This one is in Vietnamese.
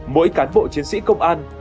mỗi cán bộ chiến sĩ công an